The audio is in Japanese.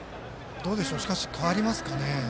しかし、代わりますかね。